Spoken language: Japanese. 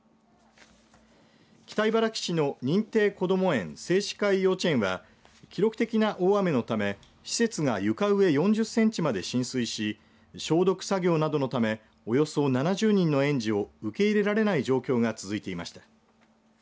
北茨城市の認定こども園誠之会幼稚園は記録的な大雨のため施設が床上４０センチまで浸水し消毒作業などのためおよそ７０人の園児を受け入れられない状況が続いていました。